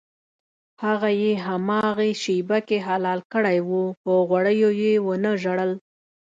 هغه یې هماغې شېبه کې حلال کړی و په غوړیو یې ونه ژړل.